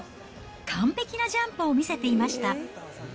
完璧なジャンプを見せていました。